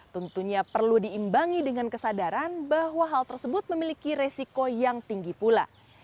tentunya perlu diimbangi dengan kesadaran bahwa hal tersebut memiliki resiko yang tinggi pula